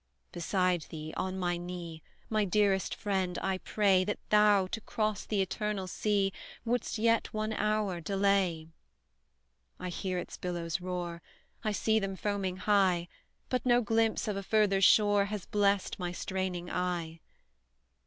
Beside thee, on my knee, My dearest friend, I pray That thou, to cross the eternal sea, Wouldst yet one hour delay: I hear its billows roar I see them foaming high; But no glimpse of a further shore Has blest my straining eye.